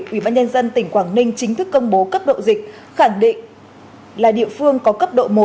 ủy ban nhân dân tỉnh quảng ninh chính thức công bố cấp độ dịch khẳng định là địa phương có cấp độ một